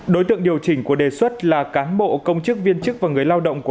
đối tượng điều chỉnh của đề xuất là cán bộ công chức viên chức và người lao động